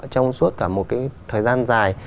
trong suốt cả một cái thời gian dài